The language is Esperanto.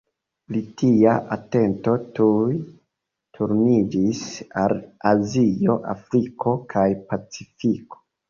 Britia atento tuj turniĝis al Azio, Afriko, kaj Pacifiko.